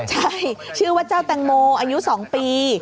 ใช่ชื่อว่าเจ้าแตงโมอายุ๒ปี